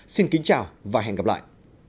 xin kính chào và hẹn gặp lại